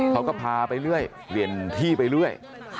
เขาก็พาไปเรื่อยเปลี่ยนที่ไปเรื่อย